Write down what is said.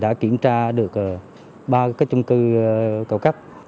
đã kiểm tra được ba cái chung cư cầu cấp